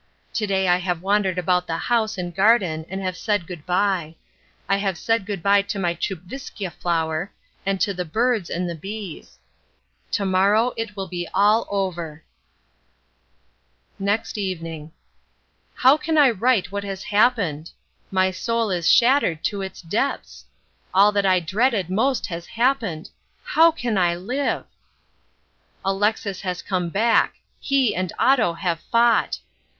To day I have wandered about the house and garden and have said good bye. I have said good bye to my Tchupvskja flower, and to the birds and the bees. To morrow it will be all over. Next Evening. How can I write what has happened! My soul is shattered to its depths. All that I dreaded most has happened. How can I live! Alexis has come back. He and Otto have fought.